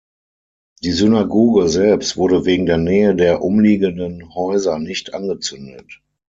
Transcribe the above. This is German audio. Die Synagoge selbst wurde wegen der Nähe der umliegenden Häuser nicht angezündet.